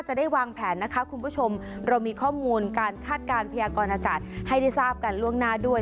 จะได้วางแผนนะคะคุณผู้ชมเรามีข้อมูลการคาดการณ์พยากรอากาศให้ได้ทราบกันล่วงหน้าด้วย